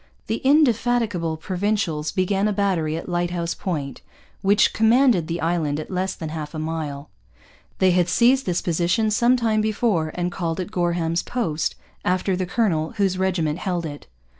The indefatigable Provincials began a battery at Lighthouse Point, which commanded the island at less than half a mile. They had seized this position some time before and called it Gorham's Post, after the colonel whose regiment held it.